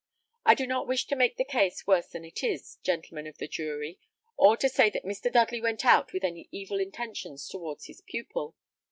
I do not wish to make the case worse than it is, gentlemen of the jury, or to say that Mr. Dudley went out with any evil intentions towards his pupil.